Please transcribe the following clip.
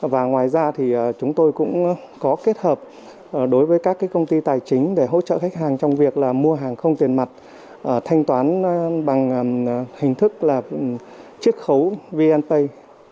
và ngoài ra thì chúng tôi cũng có kết hợp đối với các công ty tài chính để hỗ trợ khách hàng trong việc là mua hàng không tiền mặt thanh toán bằng hình thức là chiếc khấu vnpay